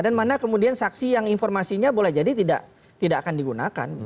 dan mana kemudian saksi yang informasinya boleh jadi tidak akan digunakan